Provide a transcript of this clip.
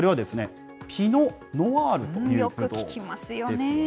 それは、ピノ・ノワールということですね。